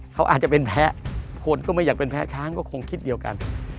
เขาอาจจะเป็นแพ้คนก็ไม่อยากเป็นแพ้ช้างก็คงคิดเดียวกัน